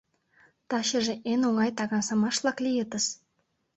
— Тачыже эн оҥай таҥасымаш-влак лийытыс!